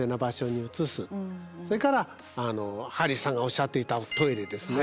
それからハリーさんがおっしゃっていたトイレですね。